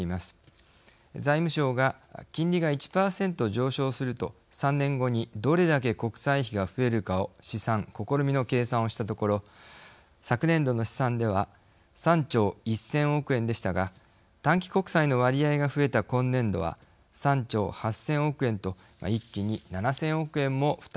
財務省が金利が１％上昇すると３年後にどれだけ国債費が増えるかを試算試みの計算をしたところ昨年度の試算では３兆１，０００億円でしたが短期国債の割合が増えた今年度は３兆８，０００億円と一気に７，０００億円も負担が増加。